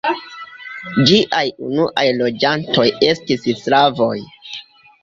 Ĝiaj unuaj loĝantoj estis slavoj.